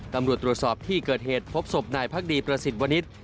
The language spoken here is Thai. ตำรวจตรวจสอบที่เกิดเหตุพบศพนายพักดีประสิทธิ์วนิษฐ์